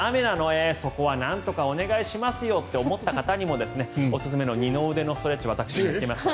えー、そこはなんとかお願いしますよと思った方にもおすすめの二の腕のストレッチを私、見つけました。